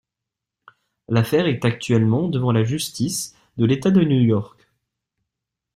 L'affaire est actuellement devant la justice de l'État de New York.